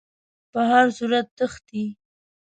په هر صورت تښتي.